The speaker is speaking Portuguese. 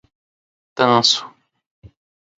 Tanso